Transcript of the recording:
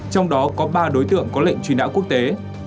trong đó có ba đối tượng có lệnh truy nã quốc tế